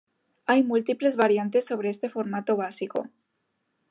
Hay múltiples variantes sobre este formato básico.